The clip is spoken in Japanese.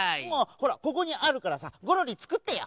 ほらここにあるからさゴロリつくってよ！